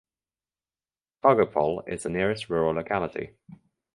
Kargopol is the nearest rural locality.